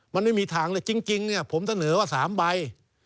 มันไม่มีทางเลยจริงเนี่ยผมเสนอว่า๓ใบ